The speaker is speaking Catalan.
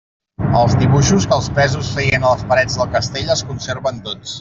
Els dibuixos que els presos feien a les parets del castell es conserven tots.